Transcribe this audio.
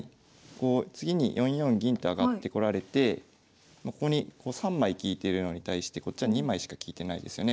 こう次に４四銀と上がってこられてここに３枚利いてるのに対してこっちは２枚しか利いてないですよね